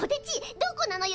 どこなのよ？